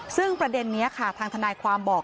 ซึ่งประเด็นนี้ค่ะทางทนายความบอก